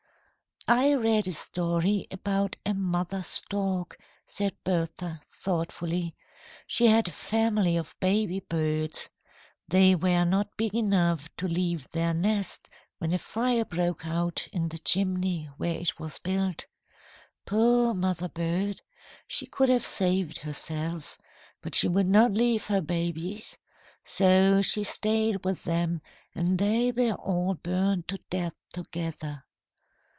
"I read a story about a mother stork," said Bertha, thoughtfully. "She had a family of baby birds. They were not big enough to leave their nest, when a fire broke out in the chimney where it was built. Poor mother bird! She could have saved herself. But she would not leave her babies. So she stayed with them and they were all burned to death together."